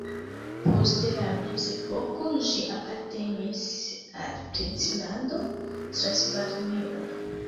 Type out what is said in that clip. Post la mezepoko ĝi apartenis al princlando Transilvanio.